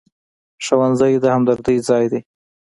ښوونځی د همدرۍ ځای دی